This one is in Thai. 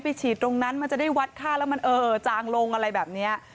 ฉีดตรงนั้นมันจะได้วัดค่าแล้วมันเออจางลงอะไรแบบนี้